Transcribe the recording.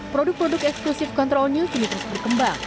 produk produk eksklusif control new juga terus berkembang